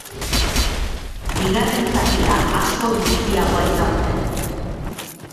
Bigarren zatia askoz biziagoa izan zen.